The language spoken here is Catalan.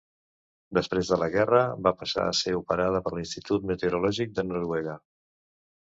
Després de la guerra, va passar a ser operada per l'Institut Meteorològic de Noruega.